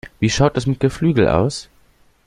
Wie schaut es mit Geflügel aus?